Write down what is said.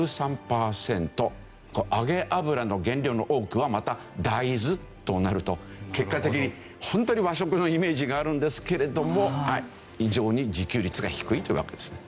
揚げ油の原料の多くはまた大豆となると結果的に本当に和食のイメージがあるんですけれども非常に自給率が低いというわけですね。